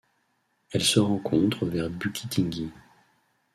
Elle se rencontre vers Bukittinggi.